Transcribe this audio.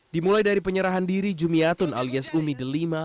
dimulai dari penyerahan diri jumiatun alias umi delima